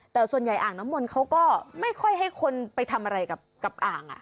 แต่ส่วนใหญ่อ่างน้ำมนต์เขาก็ไม่ค่อยให้คนไปทำอะไรกับอ่าง